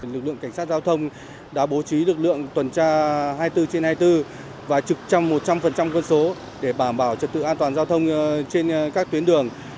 lực lượng cảnh sát giao thông đã bố trí lực lượng tuần tra hai mươi bốn trên hai mươi bốn và trực trăm một trăm linh cân số để bảo bảo trật tự an toàn giao thông trên các tuyến đường